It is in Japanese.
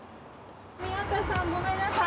宮田さんごめんなさい。